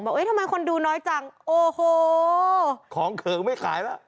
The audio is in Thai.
เอ้ยทำไมคนดูน้อยจังโอ้โหของเขิงไม่ขายแล้ว